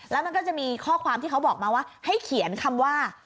แล้วมันก็จะมีข้อความที่เขาบอกมาว่าให้เขียนคำว่า